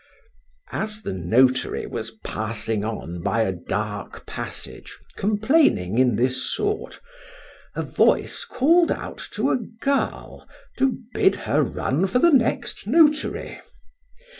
As the notary was passing on by a dark passage, complaining in this sort, a voice call'd out to a girl, to bid her run for the next notary.